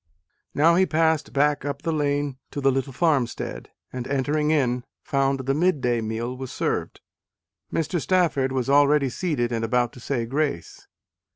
Now he passed back up the lane to the little farmstead, and, entering in, found the midday meal was served. Mr. Stafford was already seated and about to say grace.